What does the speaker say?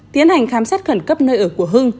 tiến hành khám xét khẩn cấp nơi ở của hưng